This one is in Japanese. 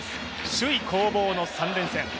首位攻防の３連戦。